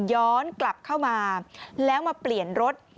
ย้อนกลับเข้ามาแล้วมาเปลี่ยนรถ